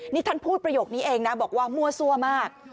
นี่ท่านพูดประโยคนี้เองนะบอกว่ามั่วซั่วมาก